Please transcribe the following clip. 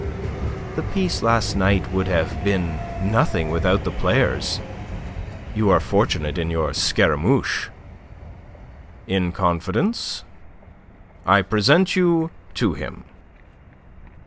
The piece last night would have been nothing without the players. You are fortunate in your Scaramouche." "In confidence I present you to him."